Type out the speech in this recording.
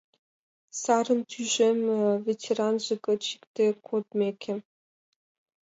Сарын тӱжем ветеранже гыч икте кодмеке.